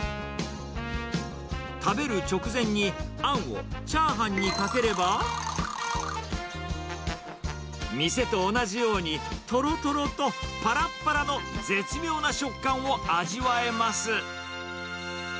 食べる直前にあんをチャーハンにかければ、店と同じように、とろとろとぱらっぱらの絶妙な食感を味わえます。